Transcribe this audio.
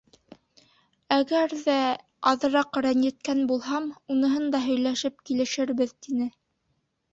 Әгәр ҙә аҙыраҡ рәнйеткән булһам, уныһын да һөйләшеп килешербеҙ, — тине.